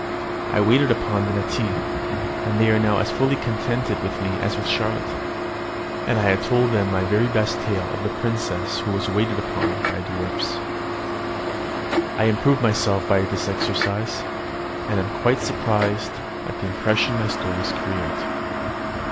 I waited upon them at tea, and they are now as fully contented with me as with Charlotte; and I told them my very best tale of the princess who was waited upon by dwarfs. I improve myself by this exercise, and am quite surprised at the impression my stories create.